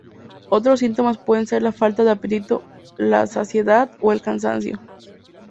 Otros síntomas pueden ser la falta de apetito, la saciedad o el cansancio.